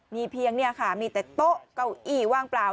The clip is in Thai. มีเพียงเนี่ยค่ะมีแต่โต๊ะเก้าอี้ว่างเปล่า